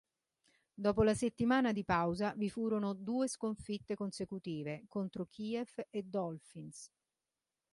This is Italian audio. Dopo la settimana di pausa, vi furono due sconfitte consecutive contro Chiefs e Dolphins.